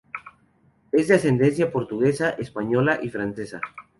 Es de ascendencia portuguesa, española y francesa.